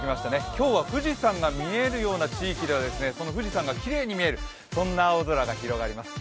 今日は富士山が見えるような地域では、この富士山がきれいに見えるそんな青空が広がります。